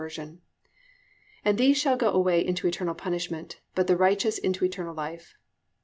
+"And these shall go away into eternal punishment: but the righteous into eternal life."